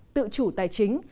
tự chủ tài chính